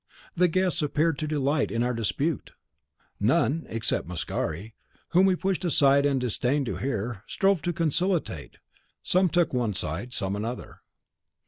The guests appeared to delight in our dispute. None, except Mascari, whom we pushed aside and disdained to hear, strove to conciliate; some took one side, some another.